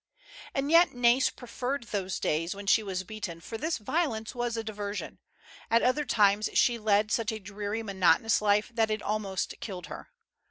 And yet Nais preferred those days when she was beaten, for this violence was a diversion. At other times she led such a dreary, monotonous life that it almost killed her.